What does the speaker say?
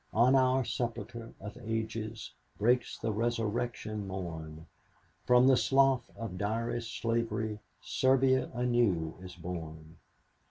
"On our sepulcher of ages Breaks the resurrection morn, From the slough of direst slavery Serbia anew is born.